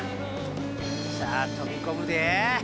さあ飛び込むで！